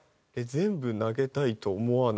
「全部投げたいと思わないか？」